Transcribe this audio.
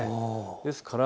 ですから